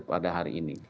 pada hari ini